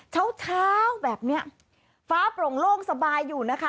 เช้าเช้าแบบนี้ฟ้าโปร่งโล่งสบายอยู่นะคะ